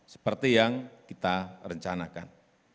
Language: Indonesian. seperti yang kita rencanakan